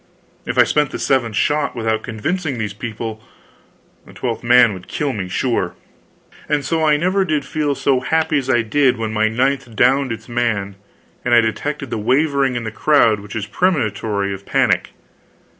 If I spent the eleventh shot without convincing these people, the twelfth man would kill me, sure. And so I never did feel so happy as I did when my ninth downed its man and I detected the wavering in the crowd which is premonitory of panic.